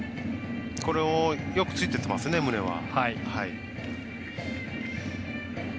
よくついていってますね宗は。